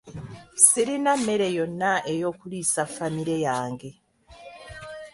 Sirina mmere yonna ey'okuliisa famire yange.